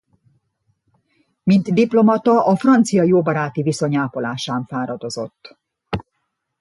Mint diplomata a francia jóbaráti viszony ápolásán fáradozott.